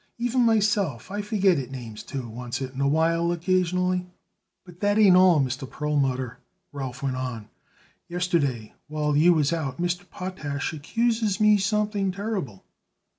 Even myself I forget it names, too, oncet in a while, occasionally." "But that ain't all, Mr. Perlmutter," Ralph went on. "Yesterday, while you was out, Mr. Potash accuses me something terrible."